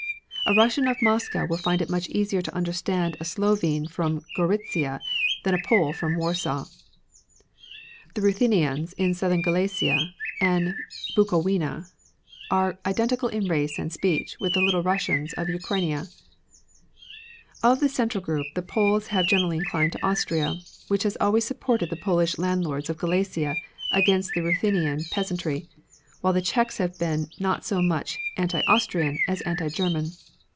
A Russian of Moscow will find it much easier to understand a Slovene from Goritzia than a Pole from Warsaw. The Ruthenians in southern Galicia and Bukowina, are identical in race and speech with the Little Russians of Ukrainia. Of the central group, the Poles have generally inclined to Austria, which has always supported the Polish landlords of Galicia against the Ruthenian peasantry; while the Czechs have been not so much anti Austrian as anti German.